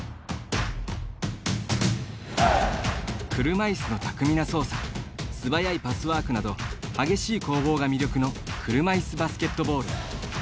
車いすの巧みな操作素早いパスワークなど激しい攻防が魅力の車いすバスケットボール。